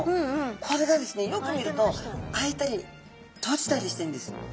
これがですねよく見ると開いたり閉じたりしてるんです。